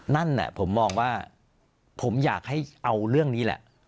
นั่นแหละผมมองว่าผมอยากให้เอาเรื่องนี้แหละ